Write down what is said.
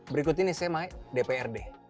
berikut ini saya mau dprd